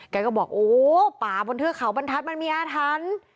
แกก็บอกโอ้ป่าบนเทือกเขาบรรทัศน์มันมีอาถรรพ์